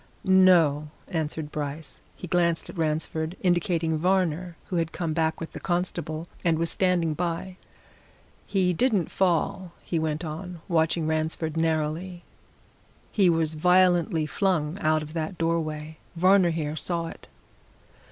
"No," answered Bryce. He glanced at Ransford, indicating Varner, who had come back with the constable and was standing by. "He didn't fall," he went on, watching Ransford narrowly. "He was violently flung out of that doorway. Varner here saw it."